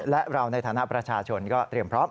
และเราในฐานะประชาชนก็เตรียมพร้อม